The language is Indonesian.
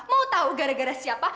mau tahu gara gara siapa